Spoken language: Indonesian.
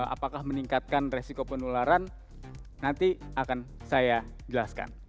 apakah meningkatkan resiko penularan nanti akan saya jelaskan